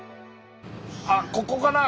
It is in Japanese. あっここかな。